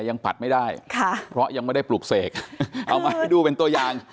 ปัดไม่ได้ค่ะเพราะยังไม่ได้ปลุกเสกเอามาให้ดูเป็นตัวอย่าง